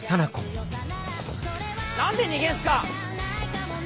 何で逃げんすか！